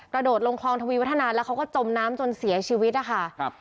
โดดลงคลองทวีวัฒนาแล้วเขาก็จมน้ำจนเสียชีวิตนะคะครับ